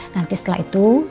nanti setelah itu